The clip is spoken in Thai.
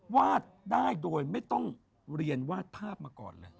วาดได้โดยไม่ต้องเรียนวาดภาพมาก่อนเลย